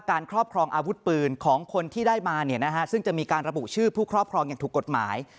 ครอบครองอาวุธปืนของคนที่ได้มาซึ่งจะมีการระบุชื่อผู้ครอบครองอย่างถูกกฎหมาย